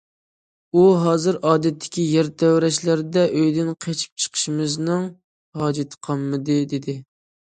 ئۇ ھازىر ئادەتتىكى يەر تەۋرەشلەردە ئۆيدىن قېچىپ چىقىشىمىزنىڭ ھاجىتى قالمىدى دېدى.